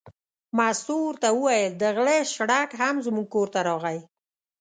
مستو ورته وویل: د غله شړک هم زموږ کور ته راغی.